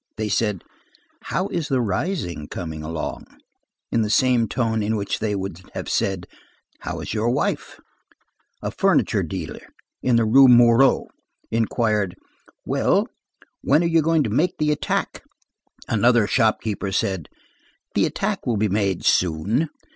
They said: "How is the rising coming along?" in the same tone in which they would have said: "How is your wife?" A furniture dealer, of the Rue Moreau, inquired: "Well, when are you going to make the attack?" Another shop keeper said:— "The attack will be made soon."